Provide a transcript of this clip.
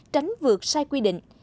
tránh vượt sai quy định